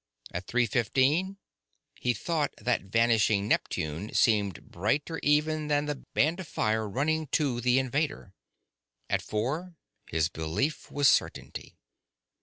At three fifteen, he thought that vanishing Neptune seemed brighter even than the band of fire running to the invader. At four, his belief was certainty.